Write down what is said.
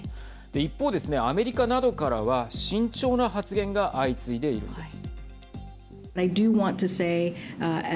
一方ですね、アメリカなどからは慎重な発言が相次いでいるんです。